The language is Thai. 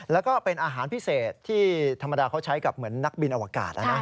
แล้วก็เป็นอาหารพิเศษที่ธรรมดาเขาใช้กับเหมือนนักบินอวกาศ